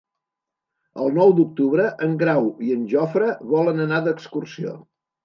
El nou d'octubre en Grau i en Jofre volen anar d'excursió.